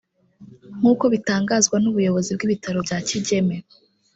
nk’uko bitangazwa n’ubuyobozi bw’ibitaro bya Kigeme